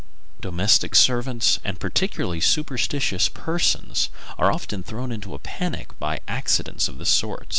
Domestic servants, and particularly superstitious persons, are often thrown into a panic by accidents of this sort.